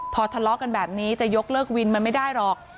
พอทะเลาะกันแบบนี้จะยกเลิกวินมันไม่ได้หรอก